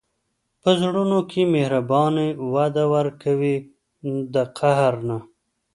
په زړونو کې مهرباني وده ورکوي، د قهر نه.